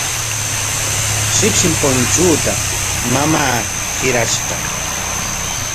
Shipshin punchuuta mamaa hirashqa.